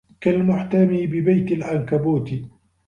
كالمحتمي ببيت العنكبوت